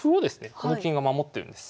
この金が守ってるんです。